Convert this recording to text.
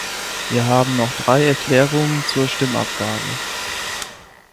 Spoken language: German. Wir haben noch drei Erklärungen zur Stimmabgabe.